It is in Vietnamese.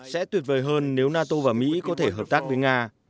sẽ tuyệt vời hơn nếu nato và mỹ có thể hợp tác với nga